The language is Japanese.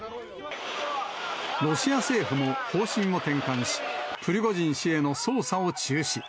ロシア政府も方針を転換し、プリゴジン氏への捜査を中止。